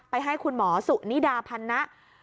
ให้คุณหมอสุนิดาพันนะ